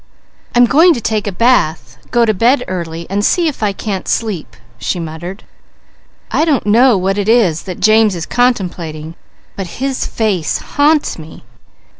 "I'm going to take a bath, go to bed early and see if I can sleep," she muttered. "I don't know what it is that James is contemplating, but his face haunts me.